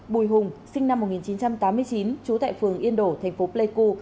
bùi hùng sinh năm một nghìn chín trăm tám mươi chín trú tại phường yên đổ thành phố pleiku